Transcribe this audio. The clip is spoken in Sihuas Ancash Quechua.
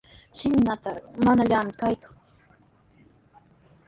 "Shimintrawqa ""manallami"" kaykan."